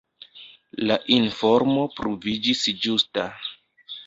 La informo pruviĝis ĝusta.